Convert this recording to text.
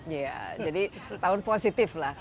iya jadi tahun positif lah